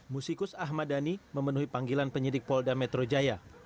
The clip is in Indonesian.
musikus ahmad dhani memenuhi panggilan penyidik polda metro jaya